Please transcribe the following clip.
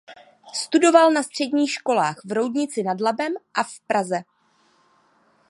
Studoval na středních školách v Roudnici nad Labem a v Praze.